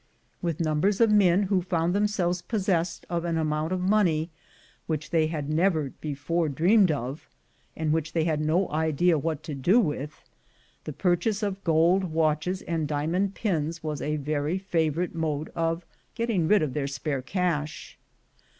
With numbers of men who found themselves possessed of an amount of money which they had never before dreamed of, and which they had no idea what to do with, the purchase of gold watches and diamond pins was a very favorite mode of getting rid of their spare cash.